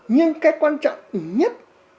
nhưng cái quan trọng nhất